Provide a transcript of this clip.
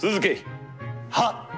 はっ。